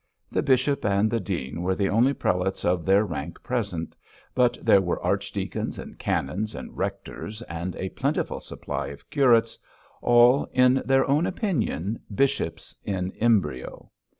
The bishop and the dean were the only prelates of their rank present, but there were archdeacons, and canons and rectors, and a plentiful supply of curates, all, in their own opinion, bishops in embryo.